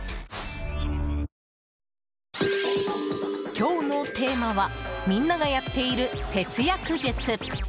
今日のテーマはみんながやっている節約術。